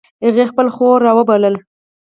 هغې خپله خور را و بلله